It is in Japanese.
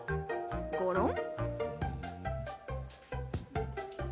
ゴロン。